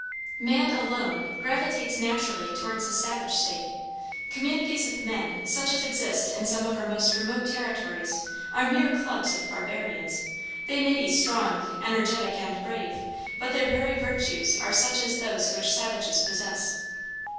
Man alone gravitates naturally towards the savage state. Communities of men, such as exist in some of our most remote territories, are mere clubs of barbarians. They may be strong, energetic, and brave, but their very virtues are such as those which savages possess.